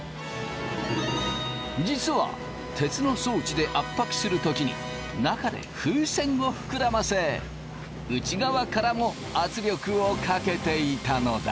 実は鉄の装置で圧迫する時に中で風船を膨らませ内側からも圧力をかけていたのだ。